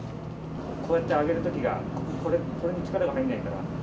こうやって上げるときが、これに力が入んないから。